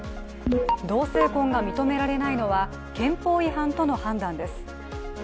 同性婚が認められないのは憲法違反との判断です。